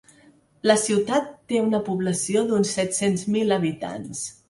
La ciutat té una població d’uns set-cents mil habitants.